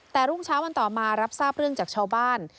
แต่รุ่งเช้าวันต่อมารับทราบเรื่องจากชาวบ้าน